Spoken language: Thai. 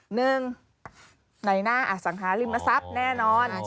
หนึ่งในหน้าอสังหาริมทรัพย์แน่นอน